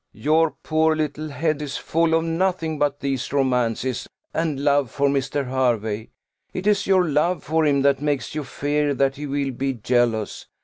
"Your poor little head is full of nothing but these romances, and love for Mr. Hervey. It is your love for him that makes you fear that he will be jealous.